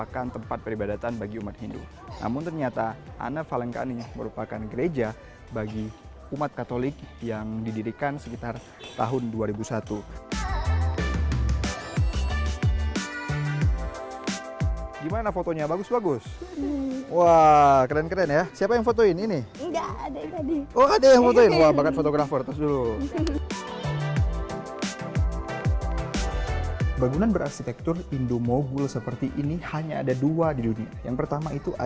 kamu berbuka puasa dengan yang manis atau dengan yang mau